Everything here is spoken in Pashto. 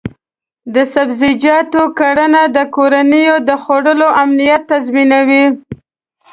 د سبزیجاتو کرنه د کورنیو د خوړو امنیت تضمینوي.